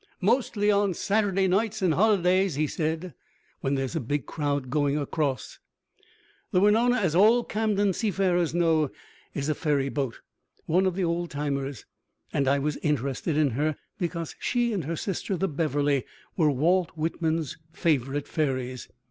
"Mostly on Saturday nights and holidays," he said, "when there's a big crowd going across." The Wenonah, as all Camden seafarers know, is a ferryboat, one of the old timers, and I was interested in her because she and her sister, the Beverly, were Walt Whitman's favorite ferries.